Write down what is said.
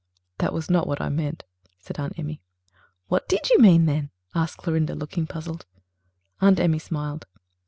"That was not what I meant," said Aunt Emmy. "What did you mean, then?" asked Clorinda, looking puzzled. Aunt Emmy smiled.